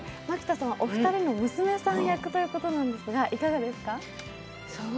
蒔田さんはお二人の娘さん役ということですがいかがですか。